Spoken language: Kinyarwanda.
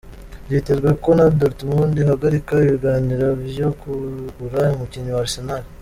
Vyitezwe ko na Dortmund ihagarika ibiganiro vyo kugura umukinyi wa Arsenal.